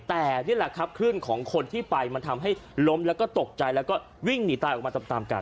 แต่นี่แหละครับคลื่นของคนที่ไปมันทำให้ล้มแล้วก็ตกใจแล้วก็วิ่งหนีตายออกมาตามกัน